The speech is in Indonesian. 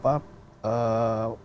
pemerintahan ini berubah